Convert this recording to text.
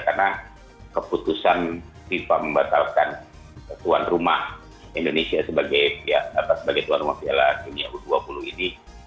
karena keputusan fifa membatalkan tuan rumah indonesia sebagai tuan rumah piala dunia u dua puluh ini